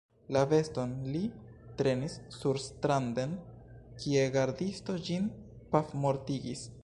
La beston li trenis surstranden, kie gardisto ĝin pafmortigis.